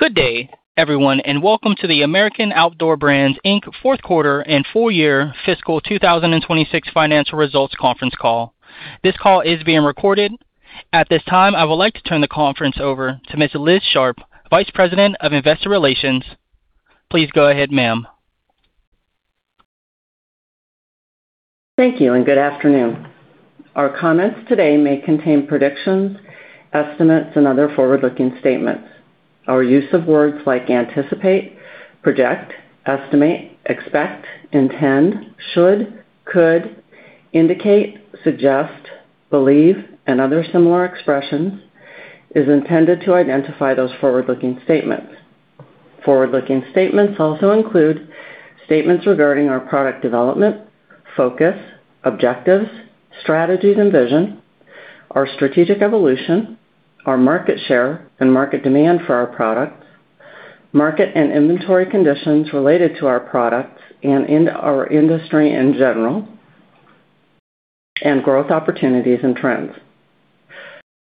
Good day, everyone, and welcome to the American Outdoor Brands, Inc fourth quarter and full year fiscal 2026 financial results conference call. This call is being recorded. At this time, I would like to turn the conference over to Ms. Liz Sharp, Vice President of Investor Relations. Please go ahead, ma'am. Thank you. Good afternoon. Our comments today may contain predictions, estimates, and other forward-looking statements. Our use of words like anticipate, project, estimate, expect, intend, should, could, indicate, suggest, believe, and other similar expressions is intended to identify those forward-looking statements. Forward-looking statements also include statements regarding our product development, focus, objectives, strategies and vision, our strategic evolution, our market share and market demand for our products, market and inventory conditions related to our products and our industry in general, and growth opportunities and trends.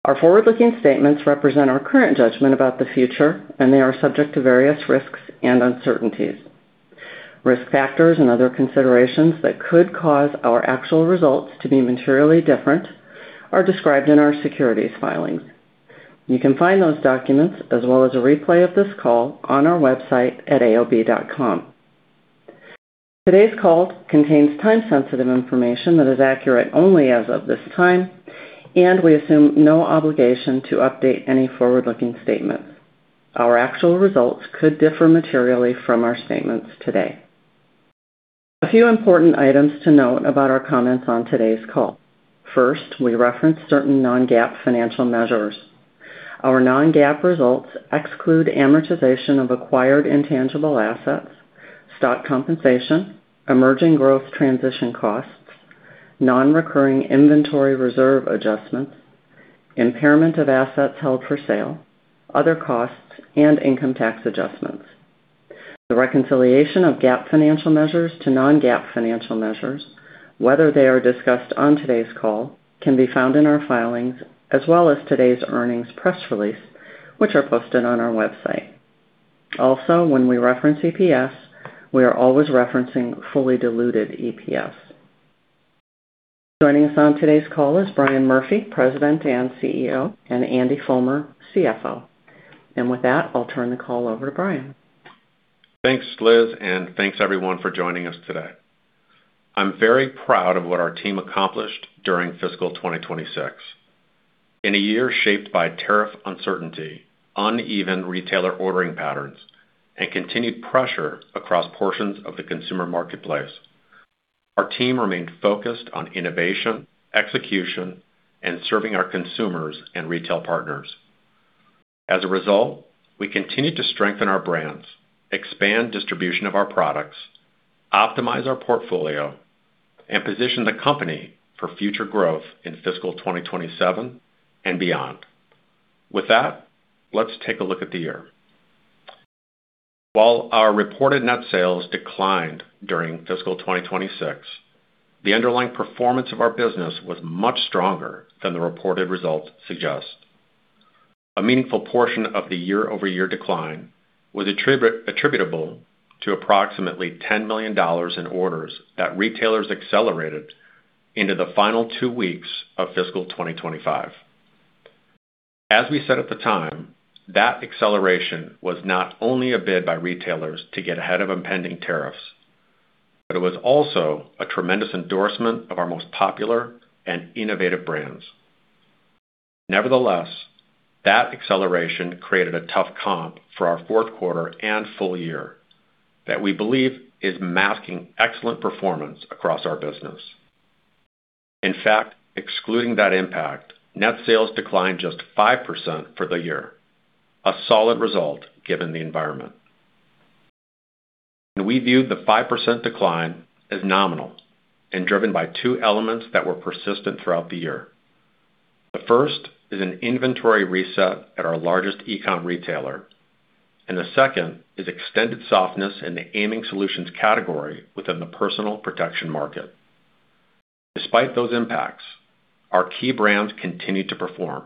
Our forward-looking statements represent our current judgment about the future, and they are subject to various risks and uncertainties. Risk factors and other considerations that could cause our actual results to be materially different are described in our securities filings. You can find those documents as well as a replay of this call on our website at aob.com. Today's call contains time-sensitive information that is accurate only as of this time. We assume no obligation to update any forward-looking statement. Our actual results could differ materially from our statements today. A few important items to note about our comments on today's call. First, we reference certain non-GAAP financial measures. Our non-GAAP results exclude amortization of acquired intangible assets, stock compensation, emerging growth transition costs, non-recurring inventory reserve adjustments, impairment of assets held for sale, other costs, and income tax adjustments. The reconciliation of GAAP financial measures to non-GAAP financial measures, whether they are discussed on today's call, can be found in our filings as well as today's earnings press release, which are posted on our website. Also, when we reference EPS, we are always referencing fully diluted EPS. Joining us on today's call is Brian Murphy, President and CEO, and Andy Fulmer, CFO. With that, I'll turn the call over to Brian. Thanks, Liz, and thanks, everyone, for joining us today. I'm very proud of what our team accomplished during fiscal 2026. In a year shaped by tariff uncertainty, uneven retailer ordering patterns, and continued pressure across portions of the consumer marketplace, our team remained focused on innovation, execution, and serving our consumers and retail partners. As a result, we continued to strengthen our brands, expand distribution of our products, optimize our portfolio, and position the company for future growth in fiscal 2027 and beyond. With that, let's take a look at the year. While our reported net sales declined during fiscal 2026, the underlying performance of our business was much stronger than the reported results suggest. A meaningful portion of the year-over-year decline was attributable to approximately $10 million in orders that retailers accelerated into the final two weeks of fiscal 2025. As we said at the time, that acceleration was not only a bid by retailers to get ahead of impending tariffs, but it was also a tremendous endorsement of our most popular and innovative brands. Nevertheless, that acceleration created a tough comp for our fourth quarter and full year that we believe is masking excellent performance across our business. In fact, excluding that impact, net sales declined just 5% for the year, a solid result given the environment. We viewed the 5% decline as nominal and driven by two elements that were persistent throughout the year. The first is an inventory reset at our largest e-com retailer, and the second is extended softness in the aiming solutions category within the personal protection market. Despite those impacts, our key brands continued to perform.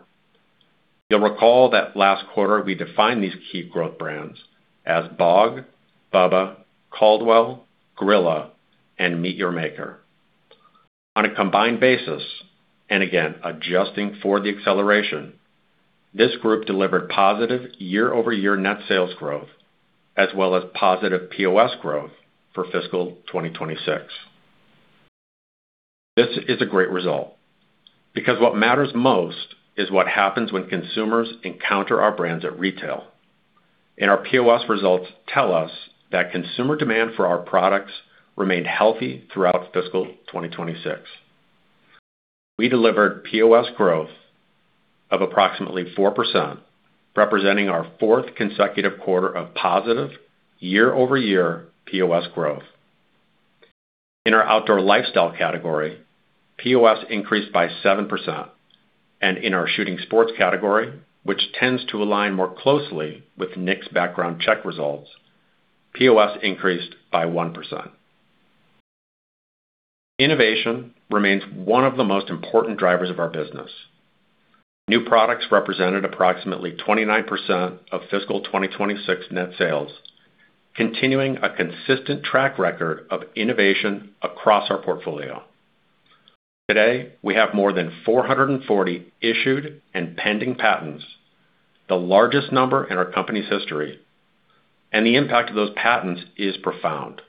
You'll recall that last quarter we defined these key growth brands as BOG, BUBBA, Caldwell, Grilla, and MEAT! Your Maker. On a combined basis, again, adjusting for the acceleration, this group delivered positive year-over-year net sales growth, as well as positive POS growth for fiscal 2026. This is a great result, because what matters most is what happens when consumers encounter our brands at retail. Our POS results tell us that consumer demand for our products remained healthy throughout fiscal 2026. We delivered POS growth of approximately 4%, representing our fourth consecutive quarter of positive year-over-year POS growth. In our outdoor lifestyle category, POS increased by 7%, and in our shooting sports category, which tends to align more closely with NICS background check results, POS increased by 1%. Innovation remains one of the most important drivers of our business. New products represented approximately 29% of fiscal 2026 net sales, continuing a consistent track record of innovation across our portfolio. Today, we have more than 440 issued and pending patents, the largest number in our company's history, and the impact of those patents is profound.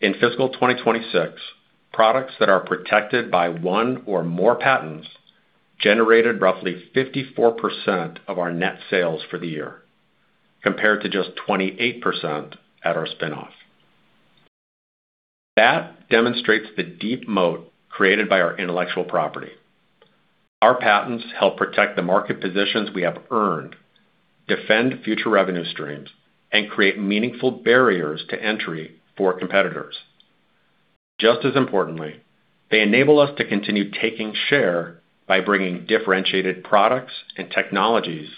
In fiscal 2026, products that are protected by one or more patents generated roughly 54% of our net sales for the year, compared to just 28% at our spin-off. That demonstrates the deep moat created by our intellectual property. Our patents help protect the market positions we have earned, defend future revenue streams, and create meaningful barriers to entry for competitors. Just as importantly, they enable us to continue taking share by bringing differentiated products and technologies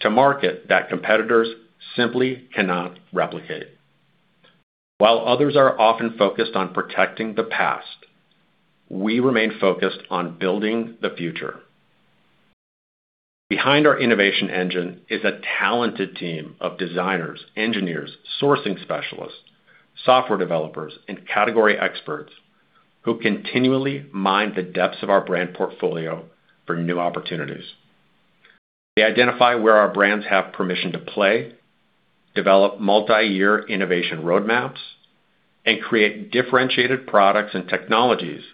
to market that competitors simply cannot replicate. While others are often focused on protecting the past, we remain focused on building the future. Behind our innovation engine is a talented team of designers, engineers, sourcing specialists, software developers, and category experts who continually mine the depths of our brand portfolio for new opportunities. They identify where our brands have permission to play, develop multi-year innovation roadmaps, and create differentiated products and technologies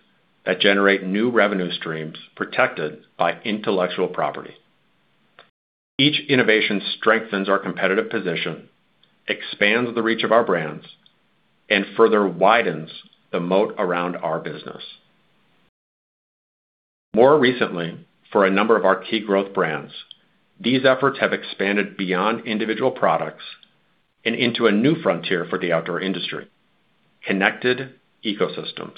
that generate new revenue streams protected by intellectual property. Each innovation strengthens our competitive position, expands the reach of our brands, and further widens the moat around our business. More recently, for a number of our key growth brands, these efforts have expanded beyond individual products and into a new frontier for the outdoor industry, connected ecosystems.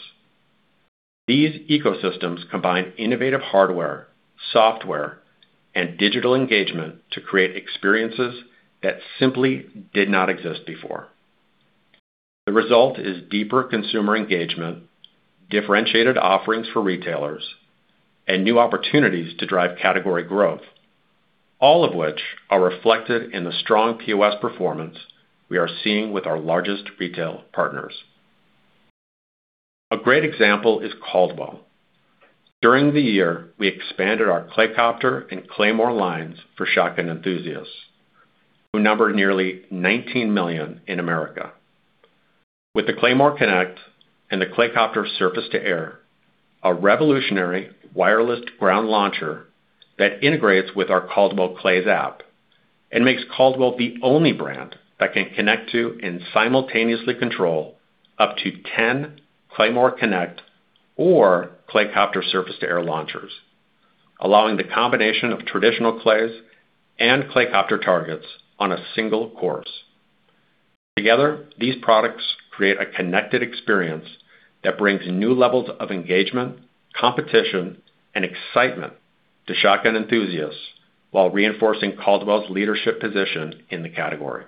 These ecosystems combine innovative hardware, software, and digital engagement to create experiences that simply did not exist before. The result is deeper consumer engagement, differentiated offerings for retailers, and new opportunities to drive category growth, all of which are reflected in the strong POS performance we are seeing with our largest retail partners. A great example is Caldwell. During the year, we expanded our ClayCopter and Claymore lines for shotgun enthusiasts, who number nearly 19 million in America. With the Claymore Connect and the ClayCopter Surface-to-Air, a revolutionary wireless ground launcher that integrates with our Caldwell Clays app and makes Caldwell the only brand that can connect to and simultaneously control up to 10 Claymore Connect or ClayCopter Surface-to-Air Launchers, allowing the combination of traditional clays and ClayCopter targets on a single course. Together, these products create a connected experience that brings new levels of engagement, competition, and excitement to shotgun enthusiasts while reinforcing Caldwell's leadership position in the category.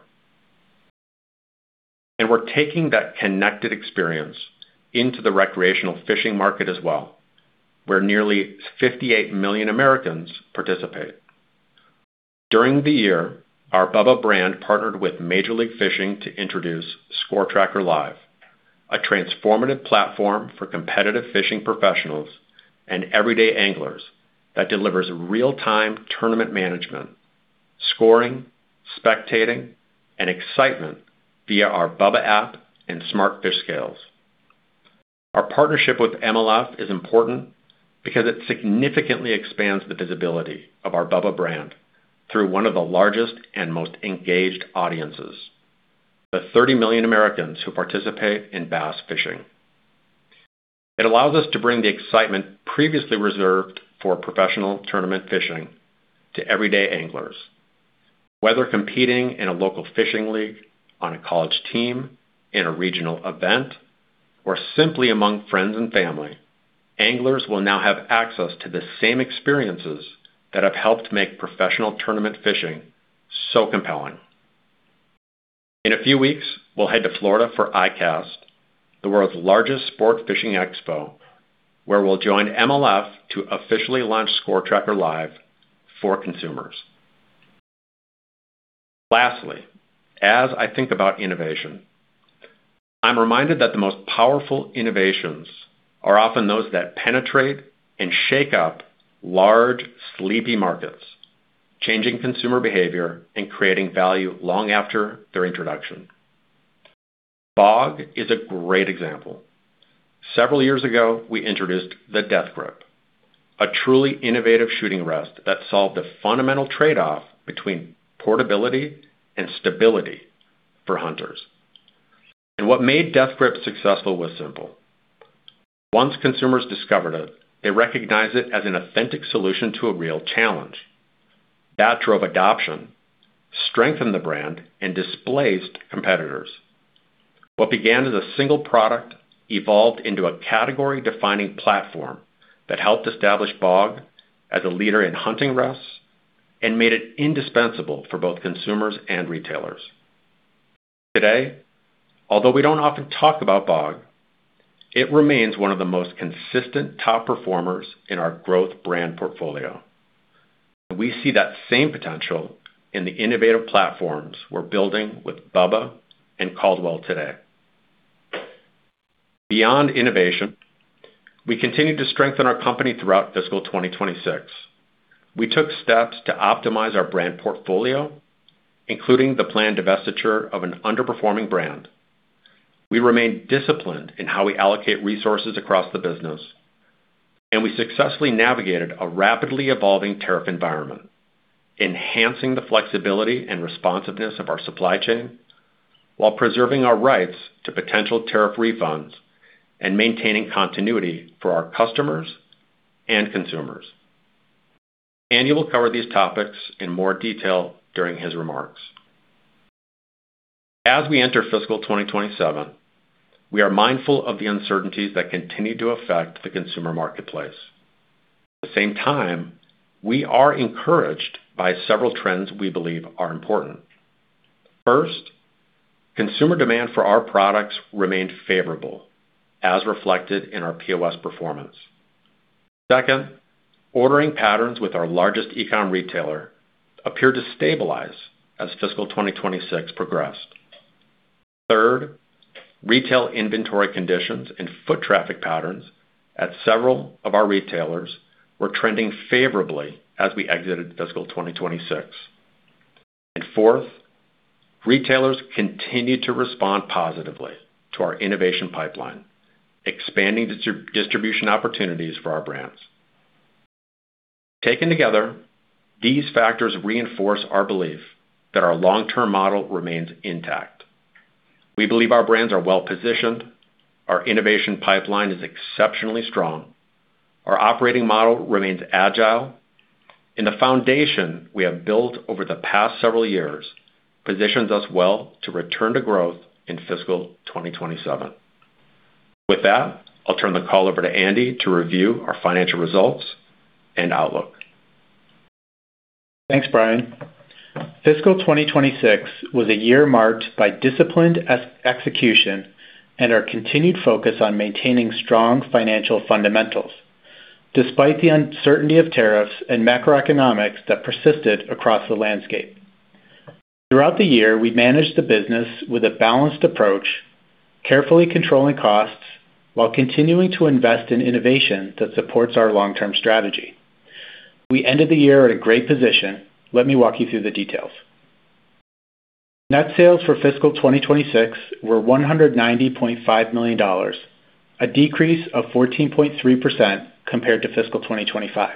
We're taking that connected experience into the recreational fishing market as well, where nearly 58 million Americans participate. During the year, our BUBBA brand partnered with Major League Fishing to introduce SCORETRACKER LIVE, a transformative platform for competitive fishing professionals and everyday anglers that delivers real-time tournament management, scoring, spectating, and excitement via our BUBBA app and smart fish scales. Our partnership with MLF is important because it significantly expands the visibility of our BUBBA brand through one of the largest and most engaged audiences, the 30 million Americans who participate in bass fishing. It allows us to bring the excitement previously reserved for professional tournament fishing to everyday anglers. Whether competing in a local fishing league, on a college team, in a regional event, or simply among friends and family, anglers will now have access to the same experiences that have helped make professional tournament fishing so compelling. In a few weeks, we'll head to Florida for ICAST, the world's largest sport fishing expo, where we'll join MLF to officially launch SCORETRACKER LIVE for consumers. Lastly, as I think about innovation, I'm reminded that the most powerful innovations are often those that penetrate and shake up large, sleepy markets, changing consumer behavior and creating value long after their introduction. BOG is a great example. Several years ago, we introduced the DeathGrip, a truly innovative shooting rest that solved a fundamental trade-off between portability and stability for hunters. What made DeathGrip successful was simple. Once consumers discovered it, they recognized it as an authentic solution to a real challenge. That drove adoption, strengthened the brand, and displaced competitors. What began as a single product evolved into a category-defining platform that helped establish BOG as a leader in hunting rests and made it indispensable for both consumers and retailers. Today, although we don't often talk about BOG, it remains one of the most consistent top performers in our growth brand portfolio. We see that same potential in the innovative platforms we're building with BUBBA and Caldwell today. Beyond innovation, we continue to strengthen our company throughout FY 2026. We took steps to optimize our brand portfolio, including the planned divestiture of an underperforming brand. We remain disciplined in how we allocate resources across the business, and we successfully navigated a rapidly evolving tariff environment, enhancing the flexibility and responsiveness of our supply chain while preserving our rights to potential tariff refunds and maintaining continuity for our customers and consumers. Andy will cover these topics in more detail during his remarks. As we enter FY 2027, we are mindful of the uncertainties that continue to affect the consumer marketplace. At the same time, we are encouraged by several trends we believe are important. First, consumer demand for our products remained favorable, as reflected in our POS performance. Second, ordering patterns with our largest e-com retailer appeared to stabilize as FY 2026 progressed. Third, retail inventory conditions and foot traffic patterns at several of our retailers were trending favorably as we exited FY 2026. Fourth, retailers continued to respond positively to our innovation pipeline, expanding distribution opportunities for our brands. Taken together, these factors reinforce our belief that our long-term model remains intact. We believe our brands are well-positioned, our innovation pipeline is exceptionally strong, our operating model remains agile, and the foundation we have built over the past several years positions us well to return to growth in FY 2027. With that, I'll turn the call over to Andy to review our financial results and outlook. Thanks, Brian. FY 2026 was a year marked by disciplined execution and our continued focus on maintaining strong financial fundamentals, despite the uncertainty of tariffs and macroeconomics that persisted across the landscape. Throughout the year, we managed the business with a balanced approach, carefully controlling costs while continuing to invest in innovation that supports our long-term strategy. We ended the year at a great position. Let me walk you through the details. Net sales for FY 2026 were $190.5 million, a decrease of 14.3% compared to FY 2025.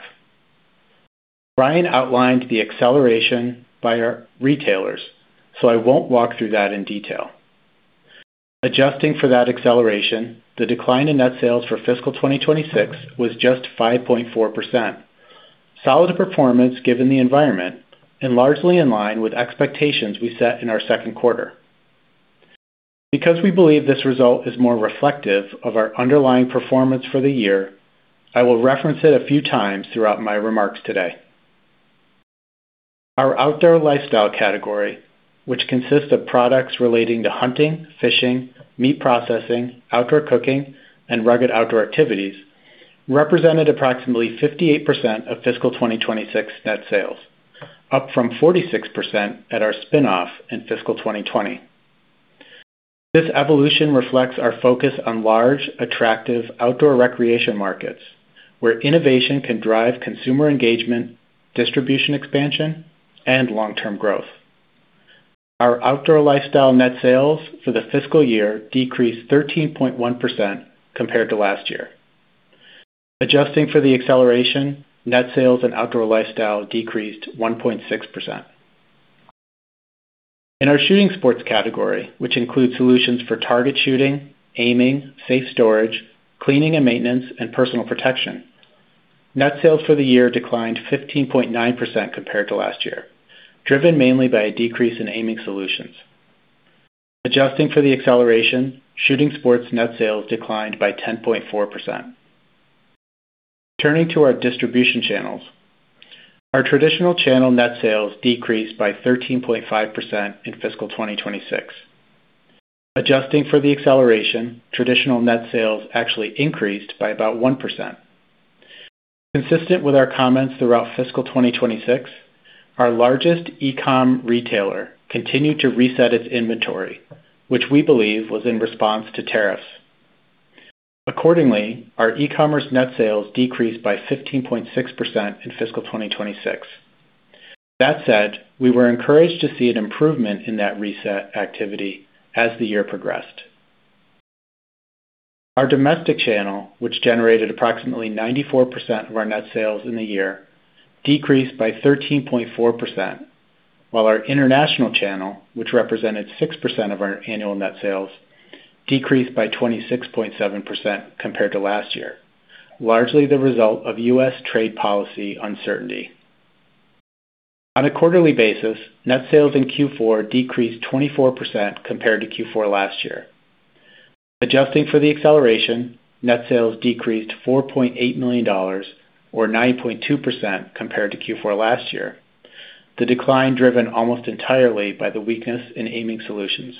Brian outlined the acceleration by our retailers, so I won't walk through that in detail. Adjusting for that acceleration, the decline in net sales for FY 2026 was just 5.4%, solid performance given the environment and largely in line with expectations we set in our second quarter. Because we believe this result is more reflective of our underlying performance for the year, I will reference it a few times throughout my remarks today. Our outdoor lifestyle category, which consists of products relating to hunting, fishing, meat processing, outdoor cooking, and rugged outdoor activities, represented approximately 58% of fiscal 2026 net sales, up from 46% at our spinoff in fiscal 2020. This evolution reflects our focus on large, attractive outdoor recreation markets where innovation can drive consumer engagement, distribution expansion, and long-term growth. Our outdoor lifestyle net sales for the fiscal year decreased 13.1% compared to last year. Adjusting for the acceleration, net sales and outdoor lifestyle decreased 1.6%. In our shooting sports category, which includes solutions for target shooting, aiming, safe storage, cleaning and maintenance, and personal protection, net sales for the year declined 15.9% compared to last year, driven mainly by a decrease in aiming solutions. Adjusting for the acceleration, shooting sports net sales declined by 10.4%. Turning to our distribution channels, our traditional channel net sales decreased by 13.5% in fiscal 2026. Adjusting for the acceleration, traditional net sales actually increased by about 1%. Consistent with our comments throughout fiscal 2026, our largest e-com retailer continued to reset its inventory, which we believe was in response to tariffs. Accordingly, our e-commerce net sales decreased by 15.6% in fiscal 2026. We were encouraged to see an improvement in that reset activity as the year progressed. Our domestic channel, which generated approximately 94% of our net sales in the year, decreased by 13.4%, while our international channel, which represented 6% of our annual net sales, decreased by 26.7% compared to last year, largely the result of U.S. trade policy uncertainty. On a quarterly basis, net sales in Q4 decreased 24% compared to Q4 last year. Adjusting for the acceleration, net sales decreased $4.8 million, or 9.2%, compared to Q4 last year. The decline driven almost entirely by the weakness in aiming solutions.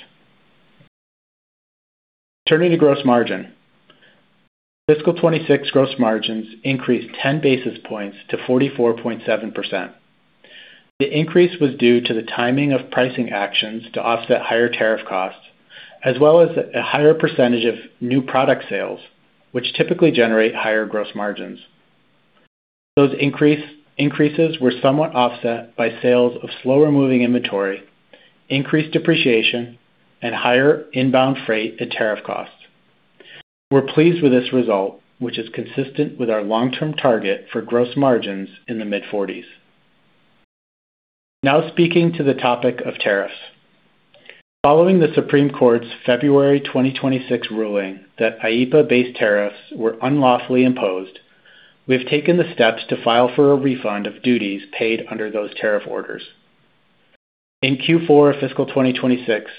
Turning to gross margin. Fiscal 2026 gross margins increased 10 basis points to 44.7%. The increase was due to the timing of pricing actions to offset higher tariff costs, as well as a higher percentage of new product sales, which typically generate higher gross margins. Those increases were somewhat offset by sales of slower moving inventory, increased depreciation, and higher inbound freight and tariff costs. We're pleased with this result, which is consistent with our long-term target for gross margins in the mid-40%s. Speaking to the topic of tariffs. Following the Supreme Court's February 2026 ruling that IEPA-based tariffs were unlawfully imposed, we have taken the steps to file for a refund of duties paid under those tariff orders. In Q4 fiscal 2026,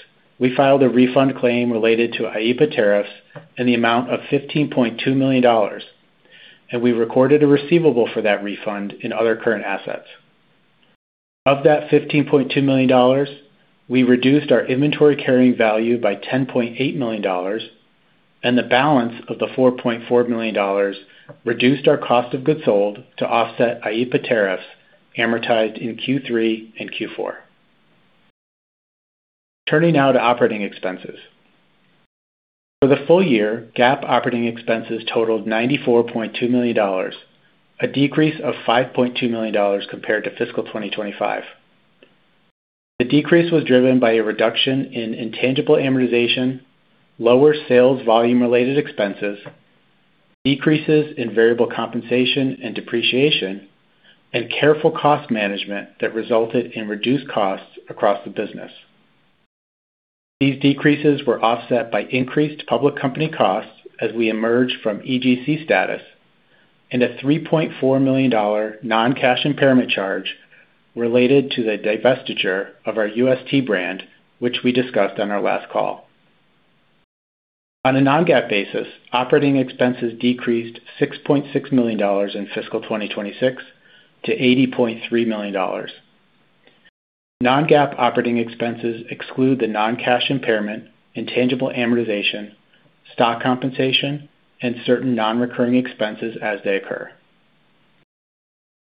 we filed a refund claim related to IEPA tariffs in the amount of $15.2 million, and we recorded a receivable for that refund in other current assets. Of that $15.2 million, we reduced our inventory carrying value by $10.8 million, and the balance of the $4.4 million reduced our cost of goods sold to offset IEPA tariffs amortized in Q3 and Q4. Turning now to operating expenses. For the full year, GAAP operating expenses totaled $94.2 million, a decrease of $5.2 million compared to fiscal 2025. The decrease was driven by a reduction in intangible amortization, lower sales volume-related expenses, decreases in variable compensation and depreciation, and careful cost management that resulted in reduced costs across the business. These decreases were offset by increased public company costs as we emerge from EGC status and a $3.4 million non-cash impairment charge related to the divestiture of our ust brand, which we discussed on our last call. On a non-GAAP basis, operating expenses decreased $6.6 million in fiscal 2026 to $80.3 million. Non-GAAP operating expenses exclude the non-cash impairment, intangible amortization, stock compensation, and certain non-recurring expenses as they occur.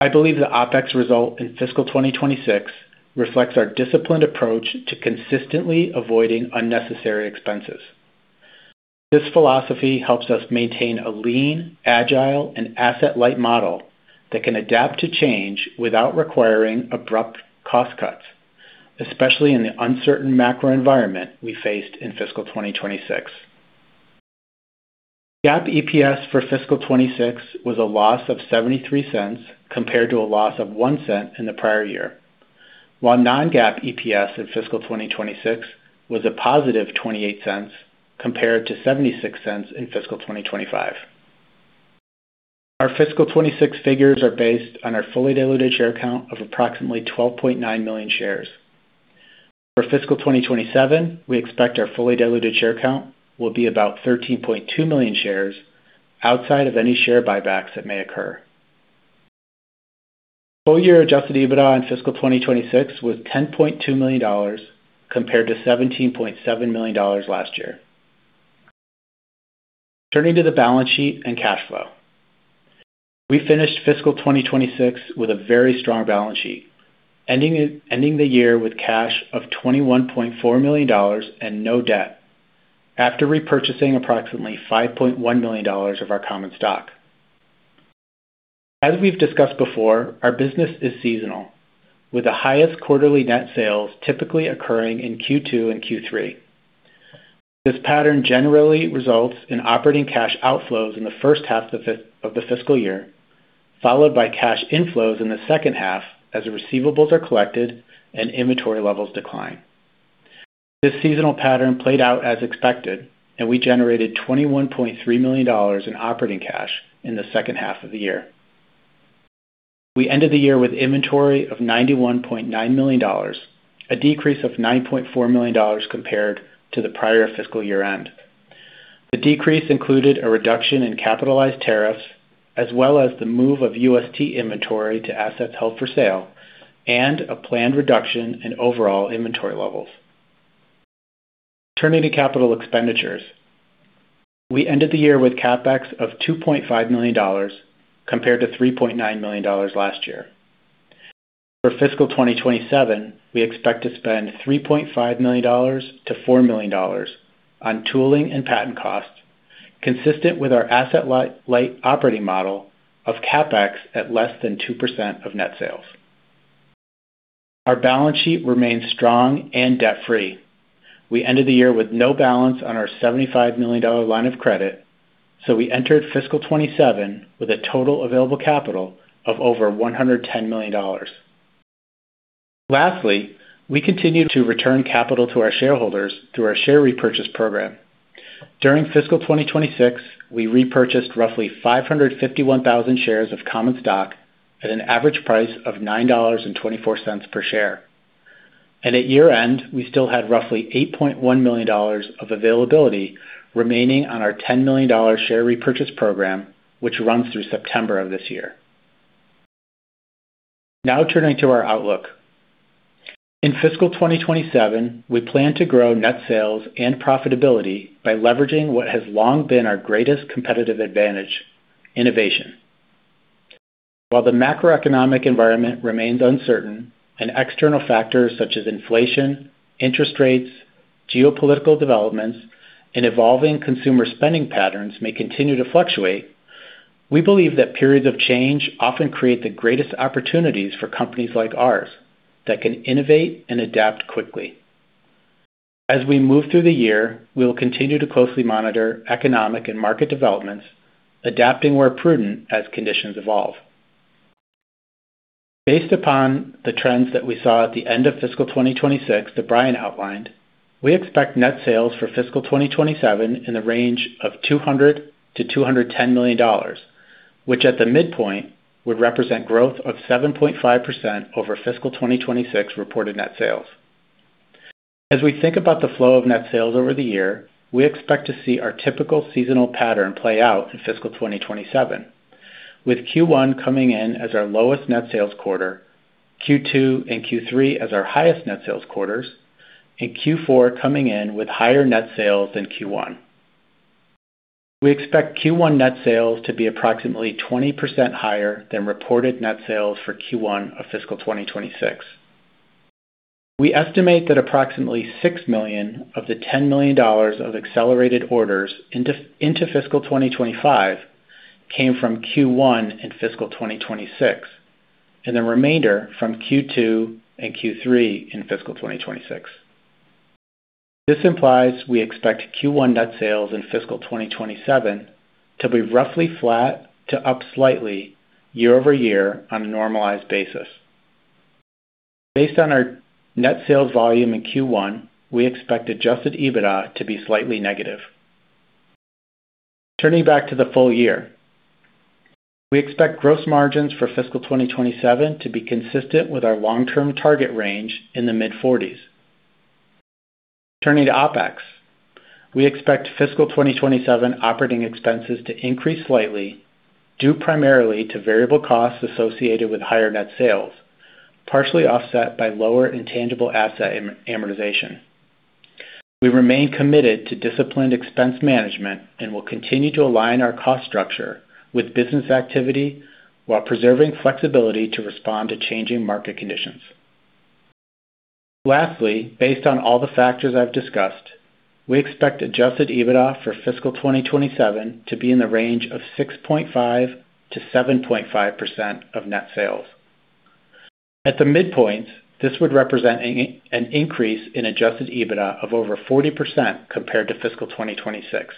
I believe the OpEx result in fiscal 2026 reflects our disciplined approach to consistently avoiding unnecessary expenses. This philosophy helps us maintain a lean, agile, and asset-light model that can adapt to change without requiring abrupt cost cuts, especially in the uncertain macro environment we faced in fiscal 2026. GAAP EPS for fiscal 2026 was a loss of $0.73 compared to a loss of $0.01 in the prior year, while non-GAAP EPS in fiscal 2026 was a positive $0.28 compared to $0.76 in fiscal 2025. Our fiscal 2026 figures are based on our fully diluted share count of approximately 12.9 million shares. For fiscal 2027, we expect our fully diluted share count will be about 13.2 million shares outside of any share buybacks that may occur. Full-year adjusted EBITDA in fiscal 2026 was $10.2 million, compared to $17.7 million last year. Turning to the balance sheet and cash flow. We finished fiscal 2026 with a very strong balance sheet, ending the year with cash of $21.4 million and no debt after repurchasing approximately $5.1 million of our common stock. As we've discussed before, our business is seasonal, with the highest quarterly net sales typically occurring in Q2 and Q3. This pattern generally results in operating cash outflows in the first half of the fiscal year, followed by cash inflows in the second half as the receivables are collected and inventory levels decline. This seasonal pattern played out as expected, and we generated $21.3 million in operating cash in the second half of the year. We ended the year with inventory of $91.9 million, a decrease of $9.4 million compared to the prior fiscal year-end. The decrease included a reduction in capitalized tariffs, as well as the move of ust inventory to assets held for sale and a planned reduction in overall inventory levels. Turning to capital expenditures. We ended the year with CapEx of $2.5 million, compared to $3.9 million last year. For fiscal 2027, we expect to spend $3.5 million-$4 million on tooling and patent costs, consistent with our asset-light operating model of CapEx at less than 2% of net sales. Our balance sheet remains strong and debt-free. We ended the year with no balance on our $75 million line of credit, we entered fiscal 2027 with a total available capital of over $110 million. Lastly, we continue to return capital to our shareholders through our share repurchase program. During fiscal 2026, we repurchased roughly 551,000 shares of common stock at an average price of $9.24 per share. At year-end, we still had roughly $8.1 million of availability remaining on our $10 million share repurchase program, which runs through September of this year. Now turning to our outlook. In fiscal 2027, we plan to grow net sales and profitability by leveraging what has long been our greatest competitive advantage: innovation. While the macroeconomic environment remains uncertain and external factors such as inflation, interest rates, geopolitical developments, and evolving consumer spending patterns may continue to fluctuate, we believe that periods of change often create the greatest opportunities for companies like ours that can innovate and adapt quickly. As we move through the year, we will continue to closely monitor economic and market developments, adapting where prudent as conditions evolve. Based upon the trends that we saw at the end of fiscal 2026 that Brian outlined, we expect net sales for fiscal 2027 in the range of $200 million-$210 million, which at the midpoint would represent growth of 7.5% over fiscal 2026 reported net sales. As we think about the flow of net sales over the year, we expect to see our typical seasonal pattern play out in fiscal 2027, with Q1 coming in as our lowest net sales quarter, Q2 and Q3 as our highest net sales quarters, and Q4 coming in with higher net sales than Q1. We expect Q1 net sales to be approximately 20% higher than reported net sales for Q1 of fiscal 2026. We estimate that approximately $6 million of the $10 million of accelerated orders into fiscal 2025 came from Q1 in fiscal 2026, and the remainder from Q2 and Q3 in fiscal 2026. This implies we expect Q1 net sales in fiscal 2027 to be roughly flat to up slightly year-over-year on a normalized basis. Based on our net sales volume in Q1, we expect adjusted EBITDA to be slightly negative. Turning back to the full year, we expect gross margins for fiscal 2027 to be consistent with our long-term target range in the mid-40%s. Turning to OpEx, we expect fiscal 2027 operating expenses to increase slightly due primarily to variable costs associated with higher net sales, partially offset by lower intangible asset amortization. We remain committed to disciplined expense management and will continue to align our cost structure with business activity while preserving flexibility to respond to changing market conditions. Lastly, based on all the factors I've discussed, we expect adjusted EBITDA for fiscal 2027 to be in the range of 6.5%-7.5% of net sales. At the midpoint, this would represent an increase in adjusted EBITDA of over 40% compared to fiscal 2026.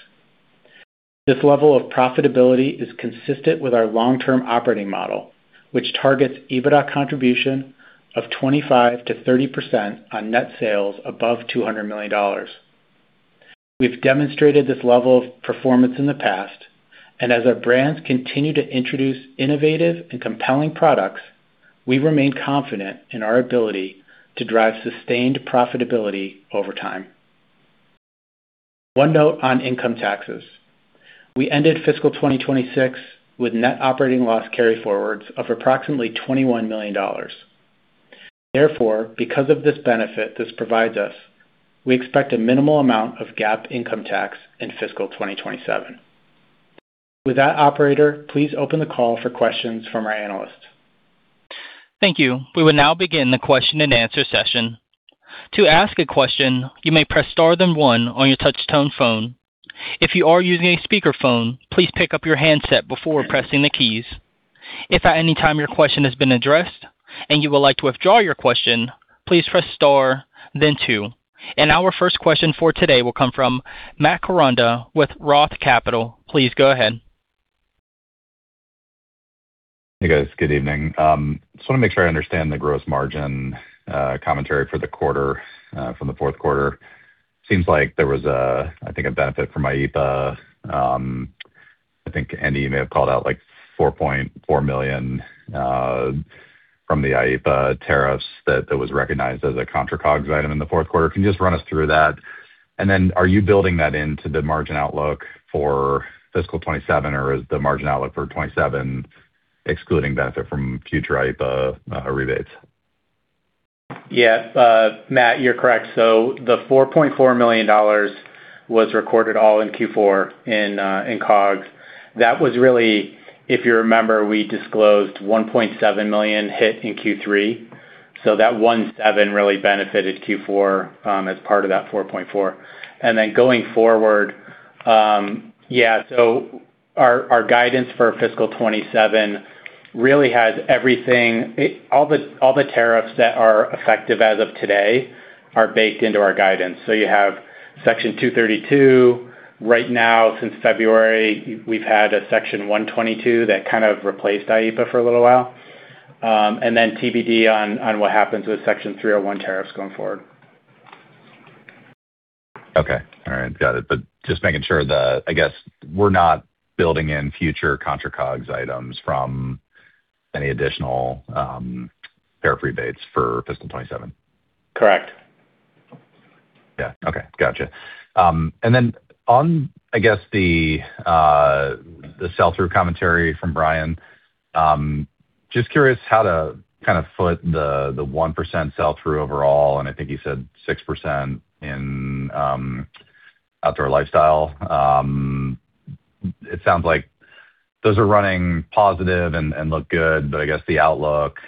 This level of profitability is consistent with our long-term operating model, which targets EBITDA contribution of 25%-30% on net sales above $200 million. We've demonstrated this level of performance in the past, as our brands continue to introduce innovative and compelling products, we remain confident in our ability to drive sustained profitability over time. One note on income taxes. We ended fiscal 2026 with net operating loss carryforwards of approximately $21 million. Therefore, because of this benefit this provides us, we expect a minimal amount of GAAP income tax in fiscal 2027. With that, operator, please open the call for questions from our analysts. Thank you. We will now begin the question-and-answer session. To ask a question, you may press star then one on your touch-tone phone. If you are using a speakerphone, please pick up your handset before pressing the keys. If at any time your question has been addressed and you would like to withdraw your question, please press star then two. Our first question for today will come from Matt Koranda with Roth Capital. Please go ahead. Hey, guys. Good evening. Just want to make sure I understand the gross margin commentary for the quarter from the fourth quarter. Seems like there was, I think, a benefit from IEPA. I think, Andy, you may have called out like $4.4 million from the IEPA tariffs that was recognized as a contra COGS item in the fourth quarter. Can you just run us through that? Are you building that into the margin outlook for fiscal 2027, or is the margin outlook for 2027 excluding benefit from future IEPA rebates? Yeah, Matt, you're correct. The $4.4 million was recorded all in Q4 in COGS. That was really, if you remember, we disclosed $1.7 million hit in Q3. That $1.7 million really benefited Q4 as part of that $4.4 million. Going forward, yeah, our guidance for fiscal 2027 really has everything-- all the tariffs that are effective as of today are baked into our guidance. You have Section 232. Right now, since February, we've had a Section 122 that kind of replaced IEPA for a little while. TBD on what happens with Section 301 tariffs going forward. Okay. All right. Got it. Just making sure that, I guess, we're not building in future contra COGS items from any additional tariff rebates for fiscal 2027. Correct. Yeah. Okay. Got you. On, I guess the sell-through commentary from Brian, just curious how to kind of foot the 1% sell-through overall, and I think you said 6% in outdoor lifestyle. It sounds like those are running positive and look good, but I guess the outlook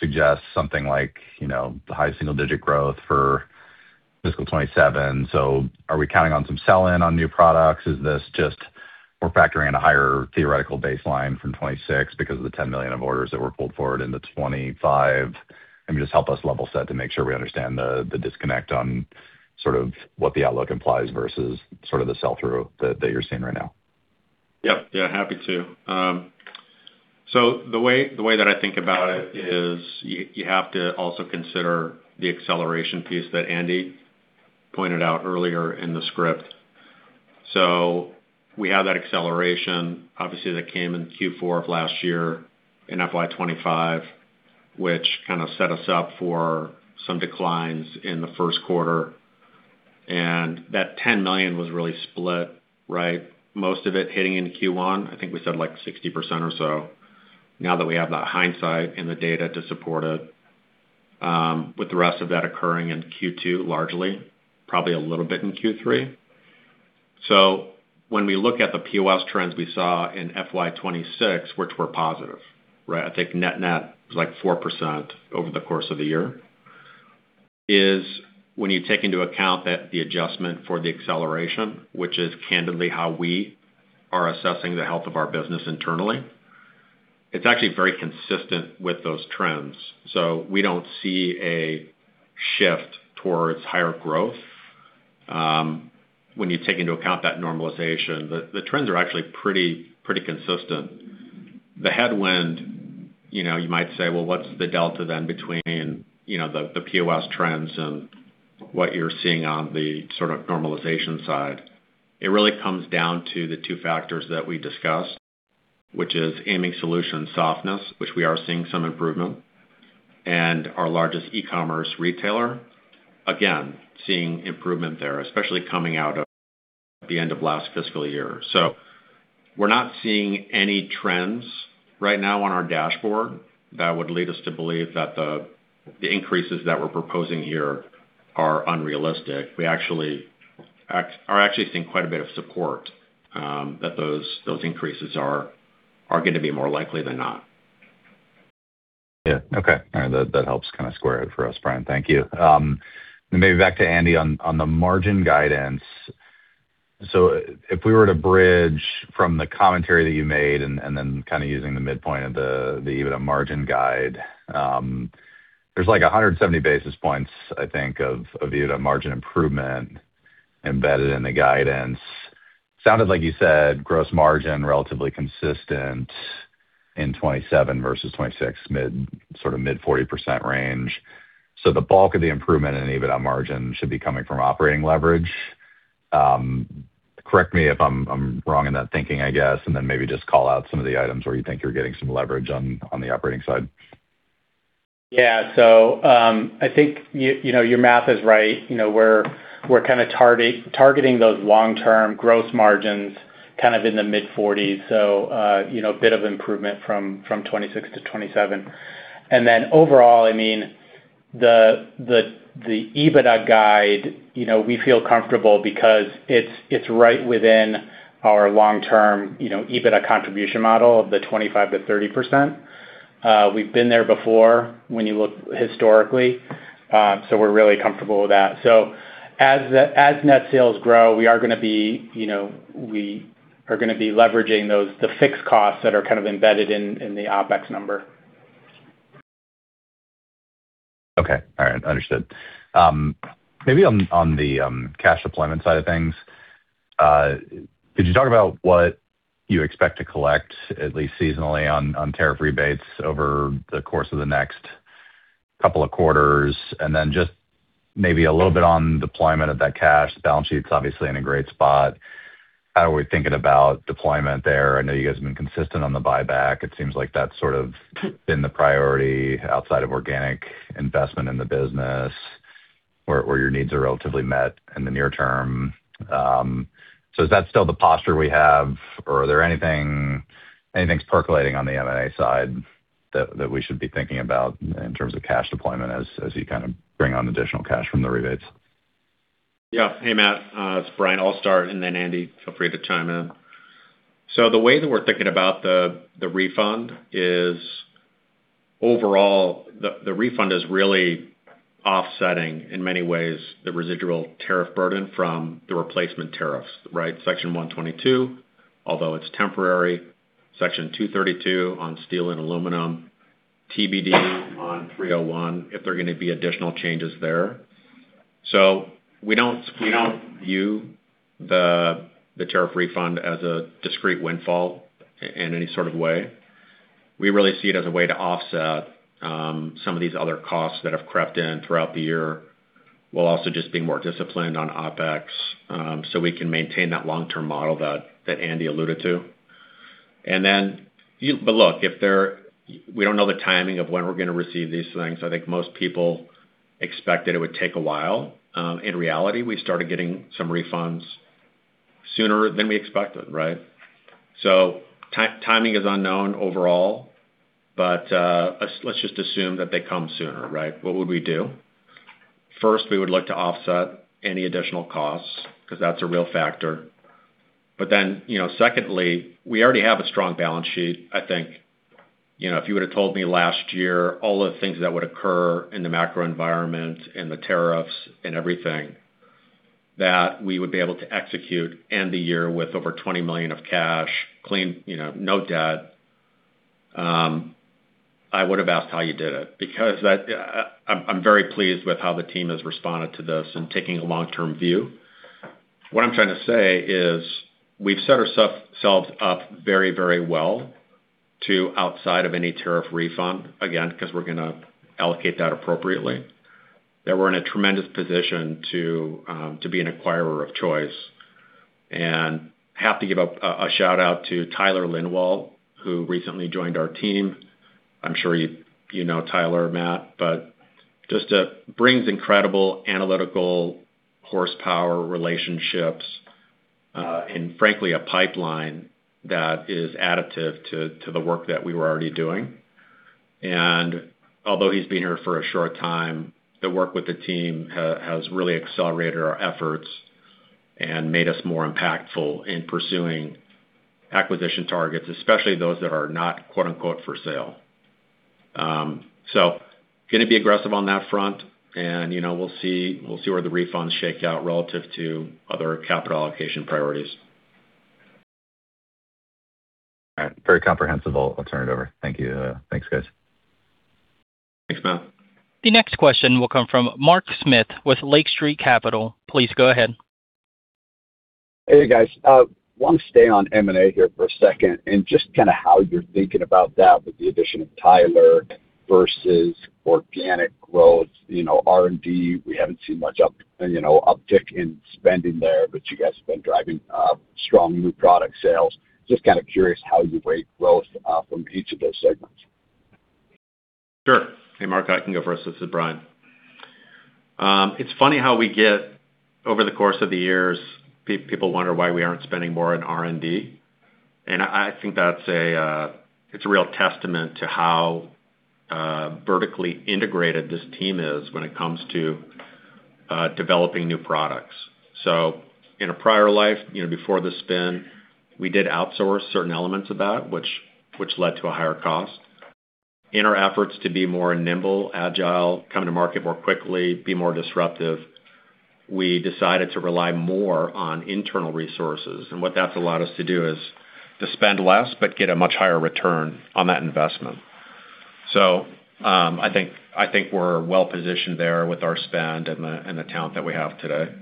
suggests something like the high single-digit growth for FY 2027. Are we counting on some sell-in on new products? Is this just we're factoring in a higher theoretical baseline from FY 2026 because of the $10 million of orders that were pulled forward into FY 2025? Just help us level set to make sure we understand the disconnect on sort of what the outlook implies versus sort of the sell-through that you're seeing right now. Yep. Yeah, happy to. The way that I think about it is you have to also consider the acceleration piece that Andy pointed out earlier in the script. We have that acceleration, obviously, that came in Q4 of last year in FY 2025, which kind of set us up for some declines in the first quarter. That $10 million was really split, right? Most of it hitting in Q1, I think we said, like, 60% or so, now that we have that hindsight and the data to support it, with the rest of that occurring in Q2, largely, probably a little bit in Q3. When we look at the POS trends we saw in FY 2026, which were positive, right? I think net-net was like 4% over the course of the year, is when you take into account that the adjustment for the acceleration, which is candidly how we are assessing the health of our business internally, it's actually very consistent with those trends. We don't see a shift towards higher growth. When you take into account that normalization, the trends are actually pretty consistent. The headwind, you might say, well, what's the delta then between the POS trends and what you're seeing on the sort of normalization side? It really comes down to the two factors that we discussed, which is aiming solutions softness, which we are seeing some improvement, and our largest e-commerce retailer, again, seeing improvement there, especially coming out of the end of last fiscal year. We're not seeing any trends right now on our dashboard that would lead us to believe that the increases that we're proposing here are unrealistic. We are actually seeing quite a bit of support, that those increases are going to be more likely than not. Yeah. Okay. All right. That helps kind of square it for us, Brian. Thank you. Maybe back to Andy on the margin guidance. If we were to bridge from the commentary that you made and then kind of using the midpoint of the EBITDA margin guide, there's like 170 basis points, I think, of EBITDA margin improvement embedded in the guidance. Sounded like you said, gross margin, relatively consistent in 2027 versus 2026, mid-40% range. The bulk of the improvement in EBITDA margin should be coming from operating leverage. Correct me if I'm wrong in that thinking, I guess, and then maybe just call out some of the items where you think you're getting some leverage on the operating side. Yeah. I think your math is right. We're kind of targeting those long-term gross margins kind of in the mid-40%s. A bit of improvement from 2026 to 2027. Overall, I mean, the EBITDA guide, we feel comfortable because it's right within our long-term EBITDA contribution model of the 25%-30%. We've been there before when you look historically, we're really comfortable with that. As net sales grow, we are going to be leveraging the fixed costs that are kind of embedded in the OpEx number. Okay. All right. Understood. Maybe on the cash deployment side of things, could you talk about what you expect to collect, at least seasonally, on tariff rebates over the course of the next couple of quarters? Then just maybe a little bit on deployment of that cash. The balance sheet's obviously in a great spot. How are we thinking about deployment there? I know you guys have been consistent on the buyback. It seems like that's sort of been the priority outside of organic investment in the business where your needs are relatively met in the near term. Is that still the posture we have, or are there anything's percolating on the M&A side that we should be thinking about in terms of cash deployment as you kind of bring on additional cash from the rebates? Yeah. Hey, Matt. It's Brian. I'll start, Andy, feel free to chime in. The way that we're thinking about the refund is, overall, the refund is really offsetting, in many ways, the residual tariff burden from the replacement tariffs, right? Section 122, although it's temporary, Section 232 on steel and aluminum, TBD on 301, if there are going to be additional changes there. We don't view the tariff refund as a discrete windfall in any sort of way. We really see it as a way to offset some of these other costs that have crept in throughout the year, while also just being more disciplined on OpEx, we can maintain that long-term model that Andy alluded to. Look, we don't know the timing of when we're going to receive these things. I think most people expect that it would take a while. In reality, we started getting some refunds sooner than we expected, right? Timing is unknown overall, let's just assume that they come sooner, right? What would we do? First, we would look to offset any additional costs, because that's a real factor. Secondly, we already have a strong balance sheet. I think, if you would've told me last year all the things that would occur in the macro environment and the tariffs and everything, that we would be able to execute end the year with over $20 million of cash, clean, no debt, I would've asked how you did it, because I'm very pleased with how the team has responded to this and taking a long-term view. What I'm trying to say is we've set ourselves up very well to outside of any tariff refund, again, because we're going to allocate that appropriately. That we're in a tremendous position to be an acquirer of choice. Have to give a shout-out to Tyler Lindwall, who recently joined our team. I'm sure you know Tyler, Matt, just brings incredible analytical horsepower relationships. Frankly, a pipeline that is additive to the work that we were already doing. Although he's been here for a short time, the work with the team has really accelerated our efforts and made us more impactful in pursuing acquisition targets, especially those that are not "for sale." Going to be aggressive on that front and we'll see where the refunds shake out relative to other capital allocation priorities. All right. Very comprehensible. I'll turn it over. Thank you. Thanks, guys. Thanks, Matt. The next question will come from Mark Smith with Lake Street Capital. Please go ahead. Hey, guys. Want to stay on M&A here for a second and just how you're thinking about that with the addition of Tyler versus organic growth, R&D, we haven't seen much uptick in spending there. You guys have been driving strong new product sales. Just kind of curious how you weigh growth from each of those segments. Sure. Hey, Mark, I can go first. This is Brian. It's funny how we get over the course of the years, people wonder why we aren't spending more on R&D. I think it's a real testament to how vertically integrated this team is when it comes to developing new products. In a prior life, before the spin, we did outsource certain elements of that, which led to a higher cost. In our efforts to be more nimble, agile, come to market more quickly, be more disruptive, we decided to rely more on internal resources. What that's allowed us to do is to spend less but get a much higher return on that investment. I think we're well-positioned there with our spend and the talent that we have today.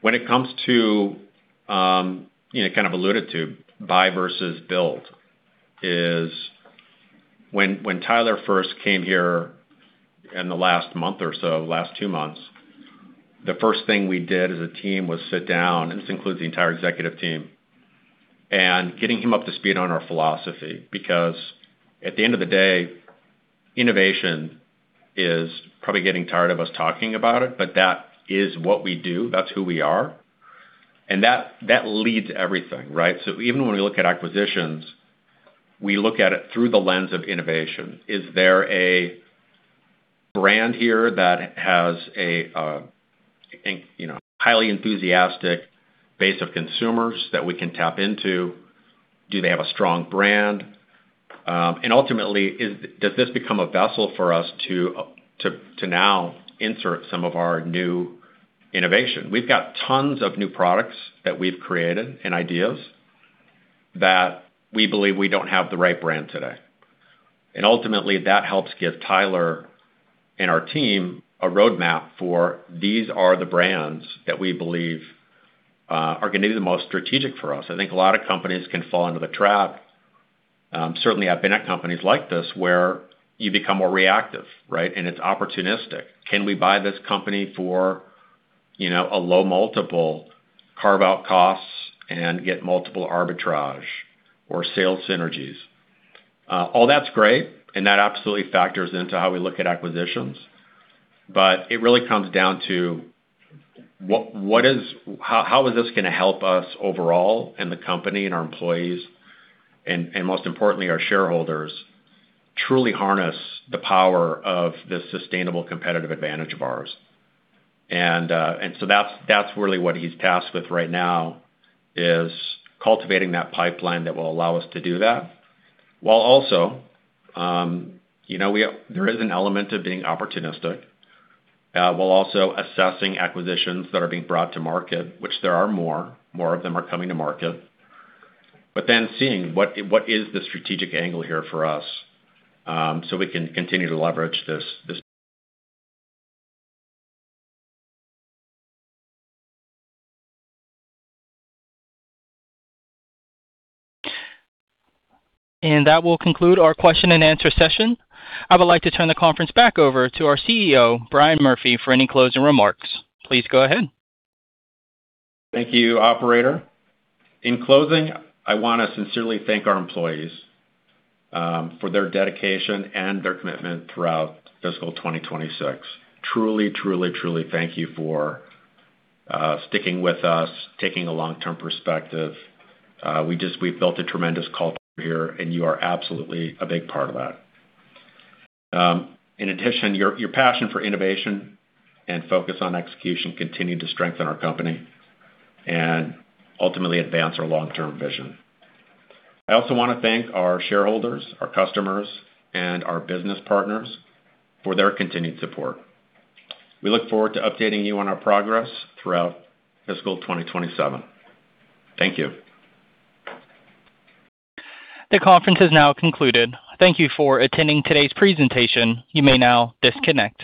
When it comes to, kind of alluded to, buy versus build is when Tyler first came here in the last month or so, last two months, the first thing we did as a team was sit down, and this includes the entire executive team, and getting him up to speed on our philosophy. At the end of the day, innovation is probably getting tired of us talking about it, but that is what we do. That's who we are. That leads everything, right? Even when we look at acquisitions, we look at it through the lens of innovation. Is there a brand here that has a highly enthusiastic base of consumers that we can tap into? Do they have a strong brand? Ultimately, does this become a vessel for us to now insert some of our new innovation? We've got tons of new products that we've created and ideas that we believe we don't have the right brand today. Ultimately, that helps give Tyler and our team a roadmap for these are the brands that we believe are going to be the most strategic for us. I think a lot of companies can fall into the trap. Certainly, I've been at companies like this where you become more reactive, right? It's opportunistic. Can we buy this company for a low multiple, carve out costs, and get multiple arbitrage or sales synergies? All that's great and that absolutely factors into how we look at acquisitions, but it really comes down to how is this going to help us overall and the company and our employees, and most importantly, our shareholders, truly harness the power of this sustainable competitive advantage of ours. That's really what he's tasked with right now is cultivating that pipeline that will allow us to do that. While also there is an element of being opportunistic. While also assessing acquisitions that are being brought to market, which there are more. More of them are coming to market. Seeing what is the strategic angle here for us, so we can continue to leverage this. That will conclude our question and answer session. I would like to turn the conference back over to our CEO, Brian Murphy, for any closing remarks. Please go ahead. Thank you, operator. In closing, I want to sincerely thank our employees for their dedication and their commitment throughout fiscal 2026. Truly thank you for sticking with us, taking a long-term perspective. We've built a tremendous culture here, and you are absolutely a big part of that. In addition, your passion for innovation and focus on execution continue to strengthen our company and ultimately advance our long-term vision. I also want to thank our shareholders, our customers, and our business partners for their continued support. We look forward to updating you on our progress throughout fiscal 2027. Thank you. The conference is now concluded. Thank you for attending today's presentation. You may now disconnect.